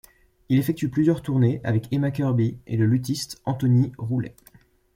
Il effectue plusieurs tournées avec Emma Kirkby et le luthiste Anthony Rooley.